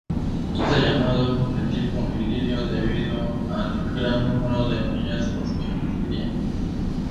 Es llamado de tipo ilirio debido al gran número de hallazgos en Iliria.